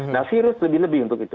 nah virus lebih lebih untuk itu